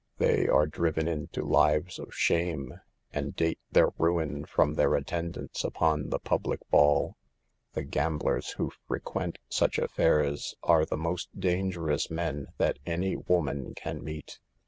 They are driven into lives of shame, and date their ruin from their attendance upon the public ball. The gamblers who frequent such affairs are the most dangerous men that any woman can meet.